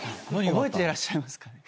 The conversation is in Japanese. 覚えていらっしゃいますかね？